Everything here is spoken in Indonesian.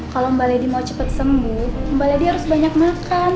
kalau mbak lady mau cepat sembuh mbak lady harus banyak makan